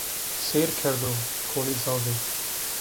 Sêr kerdo, koli zafê.